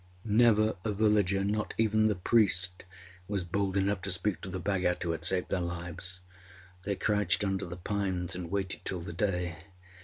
Never a villager not even the priest was bold enough to speak to the Bhagat who had saved their lives. They crouched under the pines and waited till the day.